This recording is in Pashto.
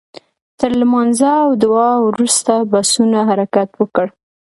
تر لمانځه او دعا وروسته بسونو حرکت وکړ.